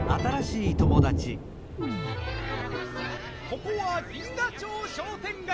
ここは銀河町商店街。